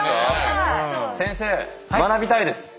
先生学びたいです。